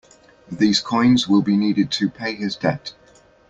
These coins will be needed to pay his debt.